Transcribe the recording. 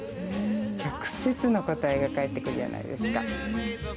直接の答えが返ってくるじゃないですか。